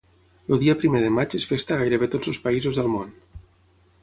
El dia primer de maig és festa a gairebé tots els països del món.